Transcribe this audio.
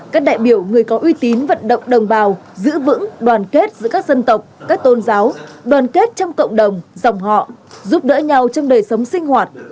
các đại biểu người có uy tín vận động đồng bào giữ vững đoàn kết giữa các dân tộc các tôn giáo đoàn kết trong cộng đồng dòng họ giúp đỡ nhau trong đời sống sinh hoạt